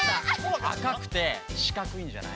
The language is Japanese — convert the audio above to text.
あかくてしかくいんじゃない？